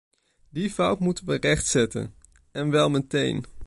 Die fout moeten we rechtzetten, en wel meteen.